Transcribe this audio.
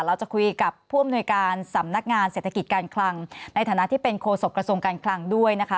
เราจะคุยกับผู้อำนวยการสำนักงานเศรษฐกิจการคลังในฐานะที่เป็นโฆษกระทรวงการคลังด้วยนะคะ